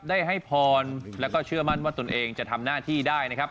ได้ให้พรแล้วก็เชื่อมั่นว่าตนเองจะทำหน้าที่ได้นะครับ